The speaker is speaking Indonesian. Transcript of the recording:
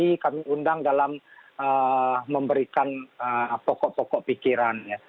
ini kami undang dalam memberikan pokok pokok pikiran ya